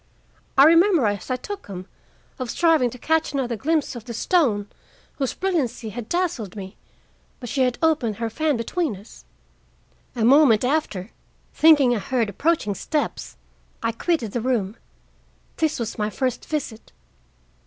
I remember, as I took them, of striving to catch another glimpse of the stone, whose brilliancy had dazzled me, but she had opened her fan between us. A moment after, thinking I heard approaching steps, I quitted the room. This was my first visit."